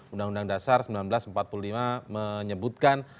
undang undang dasar seribu sembilan ratus empat puluh lima menyebutkan